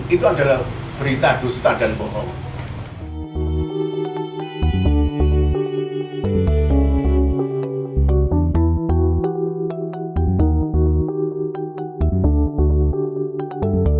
itu adalah berita dusta dan bohong